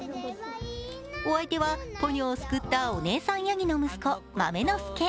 お相手はポニョを救ったお姉さんやぎの息子、豆の助。